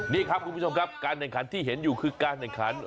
นี่ครับคุณผู้ชมครับการแข่งขันที่เห็นอยู่คือการแข่งขัน